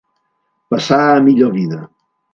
Passar a millor vida.